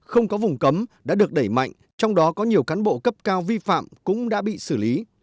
không có vùng cấm đã được đẩy mạnh trong đó có nhiều cán bộ cấp cao vi phạm cũng đã bị xử lý